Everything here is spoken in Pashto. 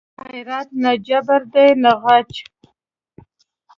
غیرت نه جبر دی نه غچ